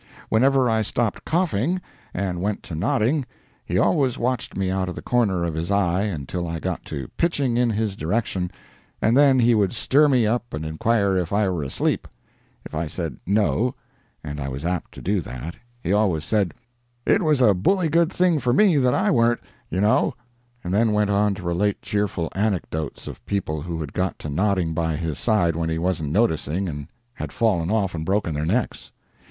Whenever I stopped coughing, and went to nodding, he always watched me out of the corner of his eye until I got to pitching in his direction, and then he would stir me up and inquire if I were asleep. If I said "No" (and I was apt to do that), he always said "it was a bully good thing for me that I warn't, you know," and then went on to relate cheerful anecdotes of people who had got to nodding by his side when he wasn't noticing, and had fallen off and broken their necks.